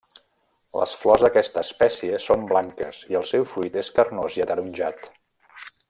Les flors d'aquesta espècie són blanques i el seu fruit és carnós i ataronjat.